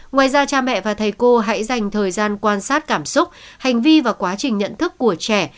ngoài ra cha mẹ và thầy cô hãy dành thời gian quan sát cảm xúc hành vi và quá trình nhận thức của trẻ